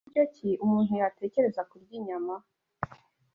Ni buryo ki umuntu yatekereza kurya inyama